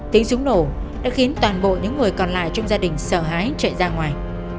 tiếng súng nổ đã khiến toàn bộ những người còn lại trong gia đình sợ hãi chạy ra ngoài